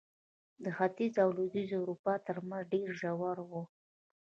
د ختیځې او لوېدیځې اروپا ترمنځ ډېر ژور و.